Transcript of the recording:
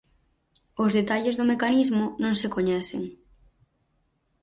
Os detalles do mecanismo non se coñecen.